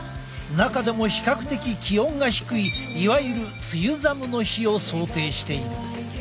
中でも比較的気温が低いいわゆる梅雨寒の日を想定している。